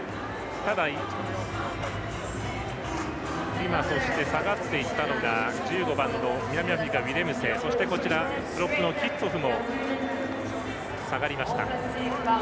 今、下がっていったのが１５番の南アフリカ、ウィレムセそして、プロップのキッツォフも下がりました。